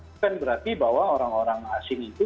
bukan berarti bahwa orang orang asing itu